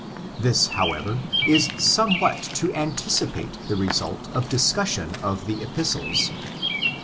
This, however, 18 somewhat to anticipate the result of discussion of the Epistles.